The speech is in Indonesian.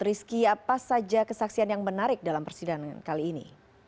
rizky apa saja kesaksian yang menarik dalam persidangan kali ini